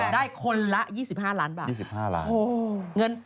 ได้คนละ๒๕ล้านบาท